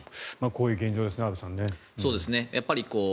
こういう現状ですね。